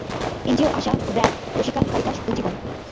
NGO ASA, BRAC, Proshika, Caritas, Ujjivan.